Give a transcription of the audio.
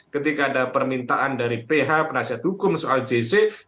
ketika ada permintaan dari ph penasihat hukum soal jc